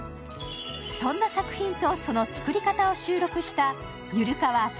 そんな作品とその作り方を収録した「ユルかわ！